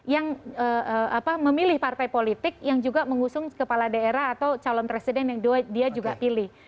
yang memilih partai politik yang juga mengusung kepala daerah atau calon presiden yang dia juga pilih